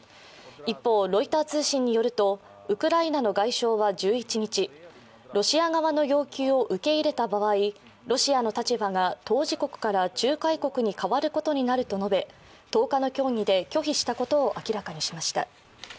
一方、ロイター通信によるとウクライナの外相は１１日、ロシア側の要求を受け入れた場合、ロシアの立場が当事国から仲介国に変わることになると述べ１０日の協議で拒否したことを明らかにしました。